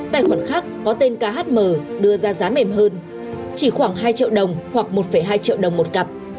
tài khoản khác có tên khm đưa ra giá mềm hơn chỉ khoảng hai triệu đồng hoặc một hai triệu đồng một cặp